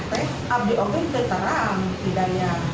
kurang balikkan dari biru teh bapak percantik teh